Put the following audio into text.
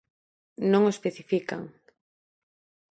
Non o especifican.